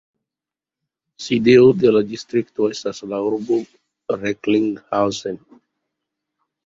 Sidejo de la distrikto estas la urbo Recklinghausen.